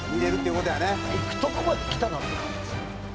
「いくとこまできたなって感じですね」